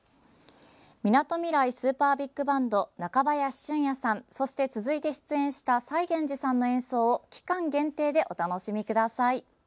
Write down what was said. みなとみらいＳｕｐｅｒＢｉｇＢａｎｄ中林俊也さんそして、続いて出演したＳａｉｇｅｎｊｉさんの演奏を期間限定でお楽しみください。